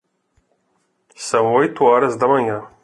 São oito horas da manhã.